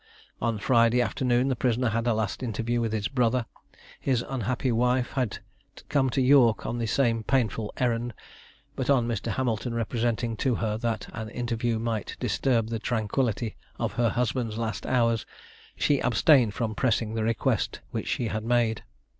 On Friday afternoon the prisoner had a last interview with his brother; his unhappy wife had come to York on the same painful errand, but on Mr. Hamilton representing to her that an interview might disturb the tranquillity of her husband's last hours, she abstained from pressing the request which she had made.